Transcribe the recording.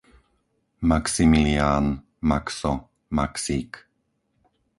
Maximilián, Maxo, Maxík